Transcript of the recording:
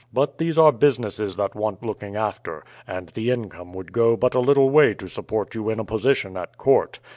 But these are businesses that want looking after, and the income would go but a little way to support you in a position at court.